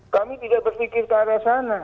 kami tidak berpikir ke arah sana